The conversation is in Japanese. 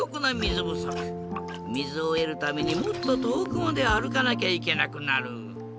みずをえるためにもっととおくまであるかなきゃいけなくなる。